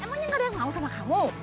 emangnya gak ada yang mau sama kamu